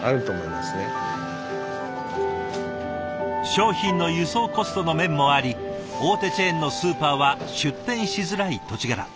商品の輸送コストの面もあり大手チェーンのスーパーは出店しづらい土地柄。